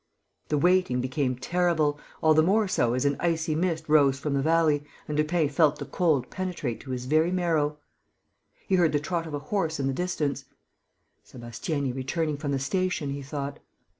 The waiting became terrible, all the more so as an icy mist rose from the valley and Lupin felt the cold penetrate to his very marrow. He heard the trot of a horse in the distance: "Sébastiani returning from the station," he thought.